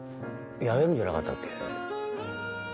辞めるんじゃなかったっけ。